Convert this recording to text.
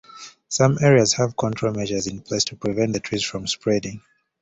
Some areas have control measures in place to prevent the trees from spreading.